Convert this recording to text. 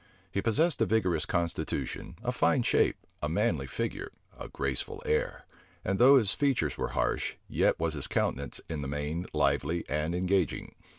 He possessed a vigorous constitution, a fine shape, a manly figure, a graceful air; and though his features were harsh, yet was his countenance in the main lively and engaging.